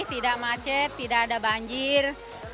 tidak macet tidak ada banjir